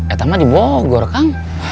eh tama di bogor kang